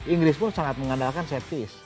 inggris pun sangat mengandalkan set fist